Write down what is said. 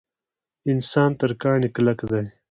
انسان تر کاڼي کلک دی.